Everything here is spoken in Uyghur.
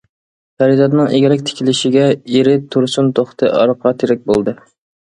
پەرىزاتنىڭ ئىگىلىك تىكلىشىگە ئېرى تۇرسۇن توختى ئارقا تىرەك بولدى.